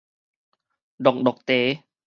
漉漉茶